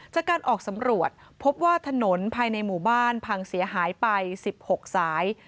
จากการออกสำรวจพบว่าถนนภายในหมู่บ้านพังเสียหายไป๑๖สาย